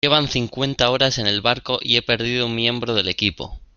llevan cincuenta horas en el barco y he perdido un miembro del equipo.